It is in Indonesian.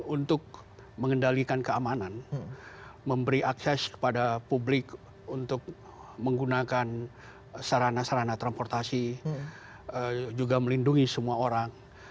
untuk mengendalikan keamanan memberi akses kepada publik untuk menggunakan sarana sarana transportasi juga melindungi semua orang